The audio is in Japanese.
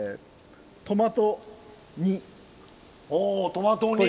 おトマト煮。